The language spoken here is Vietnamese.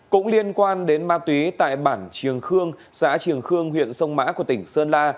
cũng liên quan đến ma túy tại bản triềng khương xã trường khương huyện sông mã của tỉnh sơn la